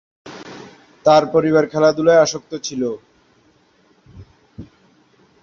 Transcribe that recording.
তার পরিবার খেলাধূলায় আসক্ত ছিল।